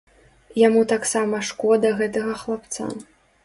Яму таксама шкода гэтага хлапца.